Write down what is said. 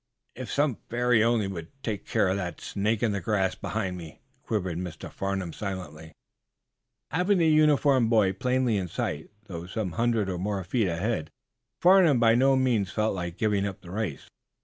"If some fairy only would take care of that snake in the grass behind me!" quivered Mr. Farnum, silently. Having the uniformed boy plainly in sight, though some hundred or more feet ahead, Farnum by no means felt like giving up the race.